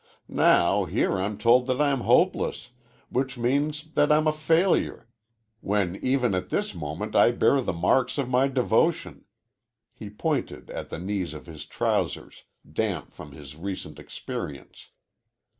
Now, here I'm told that I'm hopeless, which means that I'm a failure, when even at this moment I bear the marks of my devotion." He pointed at the knees of his trousers, damp from his recent experience.